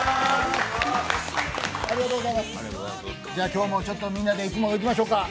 今日もみんなで動きましょうか。